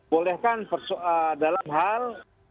bolehkan perso dalam hal